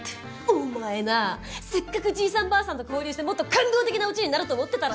お前なあせっかくじいさんばあさんと交流してもっと感動的なオチになると思ってたら。